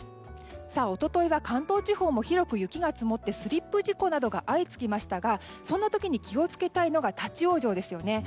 一昨日は関東地方も広く雪が積もってスリップ事故などが相次ぎましたがそんな時に気を付けたいのが立ち往生ですよね。